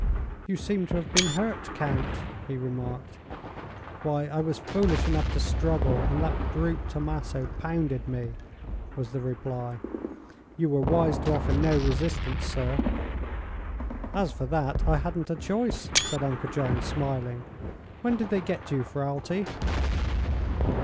"You seem to have been hurt, Count," he remarked. "Why, I was foolish enough to struggle, and that brute Tommaso pounded me," was the reply. "You were wise to offer no resistance, sir." "As for that, I hadn't a choice," said Uncle John, smiling. "When did they get you, Ferralti?"